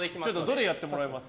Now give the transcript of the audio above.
どれやってもらいます？